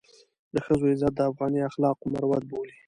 د ښځو عزت د افغاني اخلاقو مروت بولي.